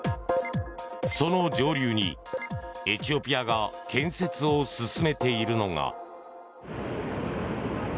その上流に、エチオピアが建設を進めているのが。